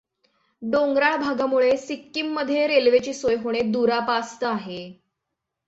डोंगराळ भागामुळे सिक्कीममध्ये रेल्वेची सोय होणे दुरापास्त आहे.